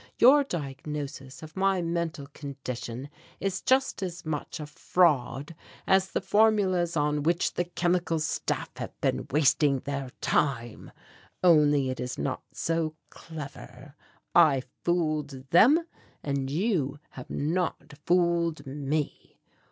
Your diagnosis of my mental condition is just as much a fraud as the formulas on which the Chemical Staff have been wasting their time only it is not so clever. I fooled them and you have not fooled me.